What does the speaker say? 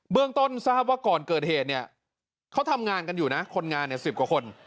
เรื่องต้นทราบว่าก่อนเกิดเหตุเนี่ยเขาทำงานกันอยู่นะคนงาน๑๐กว่าคน